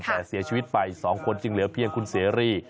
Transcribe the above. แต่เสียชีวิตไป๒คนจึงเหลือเพียงคุณเสรี